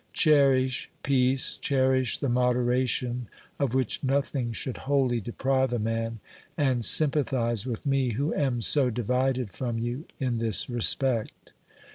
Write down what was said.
Cherish peace, cherish the moderation of which nothing should wholly deprive a man, and sympa thise with me who am so divided from you in this respect.